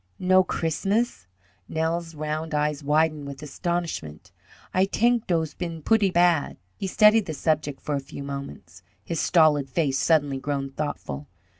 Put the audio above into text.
"No Christmas!" Nels' round eyes widened with astonishment. "Ay tank dose been pooty bad!" He studied the subject for a few moments, his stolid face suddenly grown thoughtful.